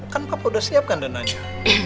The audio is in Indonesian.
kan papa udah siapkan dana nya